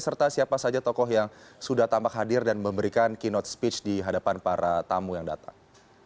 serta siapa saja tokoh yang sudah tampak hadir dan memberikan keynote speech di hadapan para tamu yang datang